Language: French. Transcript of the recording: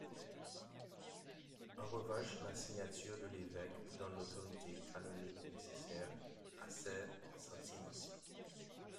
En revanche, la signature de l'évêque donne l'autorité canonique nécessaire à ces antimensions.